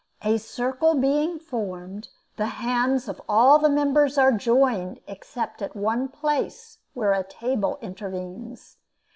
A circle being formed, the hands of all the members are joined except at one place where a table intervenes.